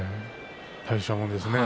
大したものですね。